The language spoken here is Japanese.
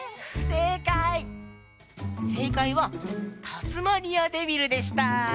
せいかいはタスマニアデビルでした。